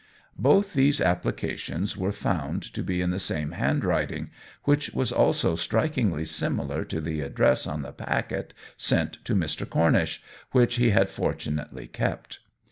Both these applications were found to be in the same handwriting, which was also strikingly similar to the address on the packet sent to Mr. Cornish, which he had fortunately kept.